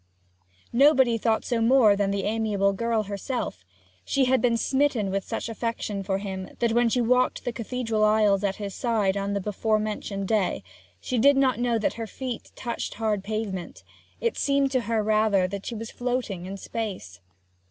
Nobody thought so more than the amiable girl herself. She had been smitten with such affection for him that, when she walked the cathedral aisles at his side on the before mentioned day, she did not know that her feet touched hard pavement; it seemed to her rather that she was floating in space.